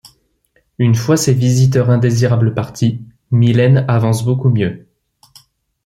Une fois ces visiteurs indésirables partis, Mylène avance beaucoup mieux.